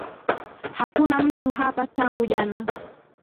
Hakuna mtu hapa tangu jana